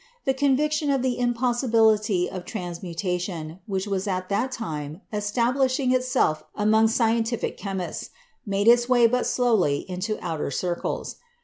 The conviction of the impossibility of transmutation, which was at that time establishing itself among scientific chem ists, made its way but slowly into outer circles.